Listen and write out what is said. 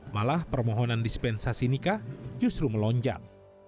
malah permohonan dispensasi nikah justru melonjak